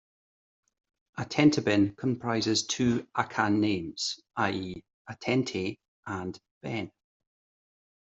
Atenteben comprises two Akan names, i.e., "atente" and "ben".